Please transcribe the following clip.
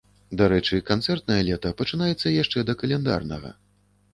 Дарэчы, канцэртнае лета пачынаецца яшчэ да каляндарнага.